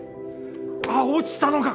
あっ落ちたのか！